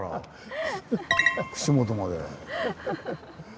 串本まで。